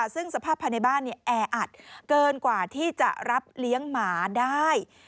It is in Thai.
ซึ่งสภาพภายในบ้านแออัดเกินกว่าที่จะรับเลี้ยงหมาได้